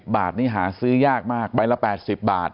บาทนี้หาซื้อยากมากใบละ๘๐บาท